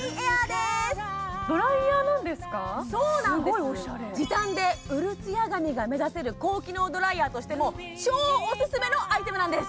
すごいオシャレ時短でうるツヤ髪が目指せる高機能ドライヤーとしても超おすすめのアイテムなんです！